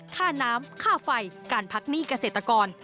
ค่าน้ำค่าไฟการพักหนี้เกษตรกร